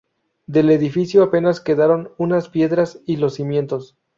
Del edificio apenas quedaron unas piedras y los cimientos.